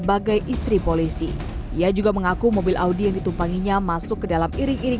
saya iring iringan setelah iring iringan saya talk on sama suami saya kan